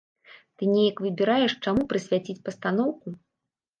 Ты неяк выбіраеш, чаму прысвяціць пастаноўку?